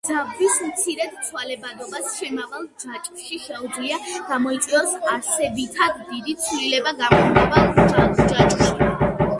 ძაბვის მცირედ ცვალებადობას შემავალ ჯაჭვში შეუძლია გამოიწვიოს არსებითად დიდი ცვლილება გამომავალ ჯაჭვში.